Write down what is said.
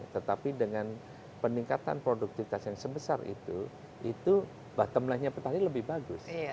tetapi dengan peningkatan produktivitas yang sebesar itu itu bottom line nya petani lebih bagus